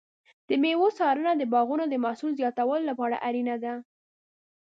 د مېوو څارنه د باغونو د محصول زیاتولو لپاره اړینه ده.